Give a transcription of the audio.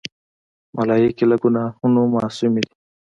ملایکې له ګناهونو معصومی دي.